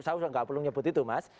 saya gak perlu nyebut itu mas